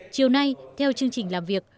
chiều nay theo chương trình làm việc